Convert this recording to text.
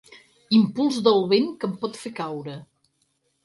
Impuls del vent que em pot fer caure.